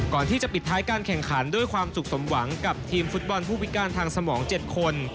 ก่อนที่จะปิดท้ายการแข่งขันด้วยความสุขสมหวังกับทีมฟุตบอลผู้พิการทางสมอง๗คน